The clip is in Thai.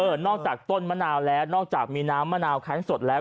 นอกจากต้นมะนาวแล้วนอกจากมีน้ำมะนาวแค้นสดแล้ว